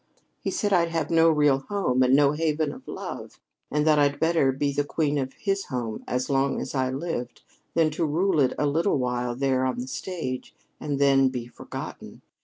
He said I'd have no real home, and no haven of love; and that I'd better be the queen of his home as long as I lived than to rule it a little while there on the stage and then be forgotten.